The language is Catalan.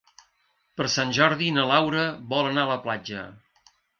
Per Sant Jordi na Laura vol anar a la platja.